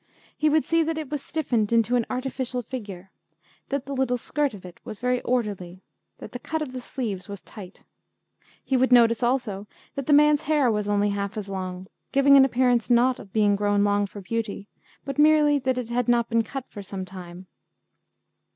He would see that it was stiffened into an artificial figure, that the little skirt of it was very orderly, that the cut of the sleeves was tight. He would notice also that the man's hair was only half long, giving an appearance not of being grown long for beauty, but merely that it had not been cut for some time.